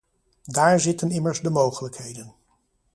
Daar zitten immers de mogelijkheden.